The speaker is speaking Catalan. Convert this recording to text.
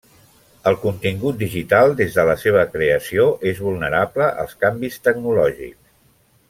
El contingut digital, des de la seva creació, és vulnerable als canvis tecnològics.